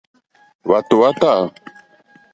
Hwàtò hwá tâ.